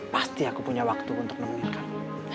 pasti aku punya waktu untuk nemenin kamu